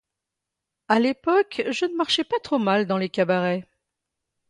« À l’époque, je ne marchais pas trop mal dans les cabarets.